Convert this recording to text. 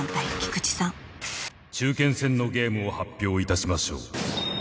中堅戦のゲームを発表いたしましょう。